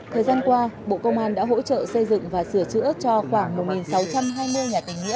thời gian qua bộ công an đã hỗ trợ xây dựng và sửa chữa cho khoảng một sáu trăm hai mươi nhà tình nghĩa